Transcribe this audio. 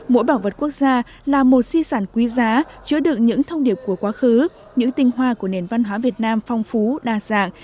mỗi bảo vật quốc gia là một di sản quý giá chứa đựng những thông điệp của quá khứ những tinh hoa của nền văn hóa việt nam phong phú đa dạng